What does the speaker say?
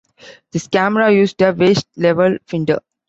This camera used a waist-level finder.